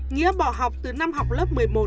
nghĩa bỏ học từ năm học lớp một mươi một